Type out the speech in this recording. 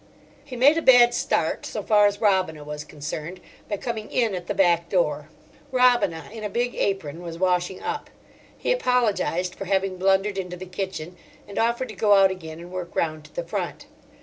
He made a bad start, so far as Robina was concerned, by coming in at the back door. Robina, in a big apron, was washing up. He apologised for having blundered into the kitchen, and offered to go out again and work round to the front.